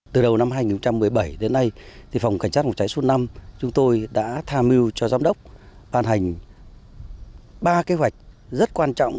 từ đầu năm hai nghìn một mươi bảy đến nay phòng cảnh sát phòng cháy số năm chúng tôi đã tham mưu cho giám đốc ban hành ba kế hoạch rất quan trọng